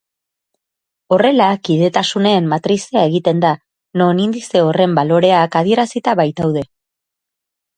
Horrela kidetasunen matrizea egiten da, non indize horren baloreak adierazita baitaude.